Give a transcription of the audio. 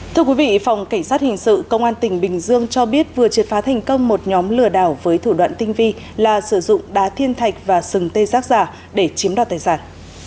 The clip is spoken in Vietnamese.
thưa quý vị phòng cảnh sát hình sự công an tỉnh bình dương cho biết vừa triệt phá thành công một nhóm lừa đảo với thủ đoạn tinh vi là sử dụng đá thiên thạch và sừng tê giác giả để chiếm đoạt tài sản